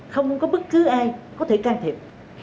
không có bất cứ ai có thể can thiệp